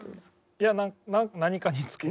いや何かにつけて。